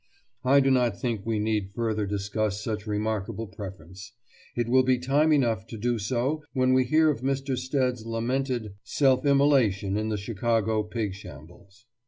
I do not think we need further discuss such remarkable preference; it will be time enough to do so when we hear of Mr. Stead's lamented self immolation in the Chicago pig shambles.